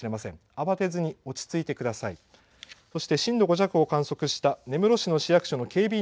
慌てずに、落ち着いて行動なさってください。